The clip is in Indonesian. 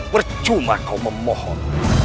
bercuma kau memohon